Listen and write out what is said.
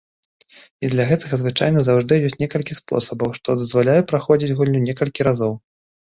І для гэтага звычайна заўжды ёсць некалькі спосабаў, што дазваляе праходзіць гульню некалькі разоў.